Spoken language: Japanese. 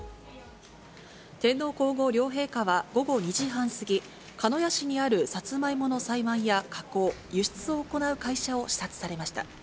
天皇皇后両陛下は午後２時半過ぎ、鹿屋市にある、さつまいもの栽培や加工、輸出を行う会社を視察されました。